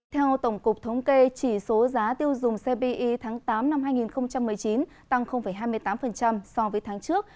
theo tổng cục thống kê chỉ số giá tiêu dùng cpi tháng tám năm hai nghìn một mươi chín tăng hai mươi tám so với tháng trước